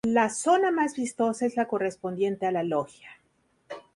La zona más vistosa es la correspondiente a la "loggia".